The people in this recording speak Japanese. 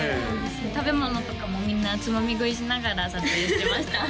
食べ物とかもみんなつまみ食いしながら撮影してました